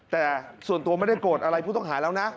แต่ส่วนตัวไม่ได้โกรธอะไรผู้ต้องหาแล้วนะ